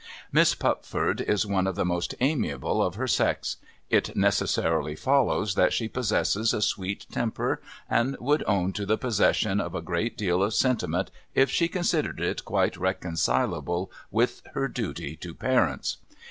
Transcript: Miss Pupford is one of the most amiable of her sex ; it necessarily follows that she possesses a sweet temper, and would own to the possession of a great deal of sentiment if she considered it quite reconcilable with her duty to parents.